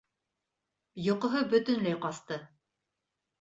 Йоҡоһо бөтөнләй ҡасты.